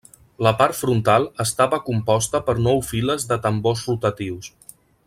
La part frontal estava composta per nou files de tambors rotatius.